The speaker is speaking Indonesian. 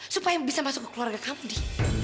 supaya bisa masuk ke keluarga kamu di